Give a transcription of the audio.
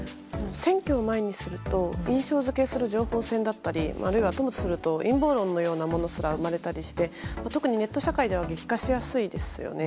選挙を前にすると印象付けをする情報戦だったりあるいはともすると陰謀論のようなものすら生まれたりして特にネット社会では激化しやすいですよね。